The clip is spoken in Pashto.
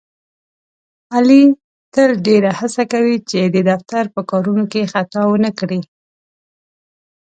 علي تل ډېره هڅه کوي، چې د دفتر په کارونو کې خطا ونه کړي.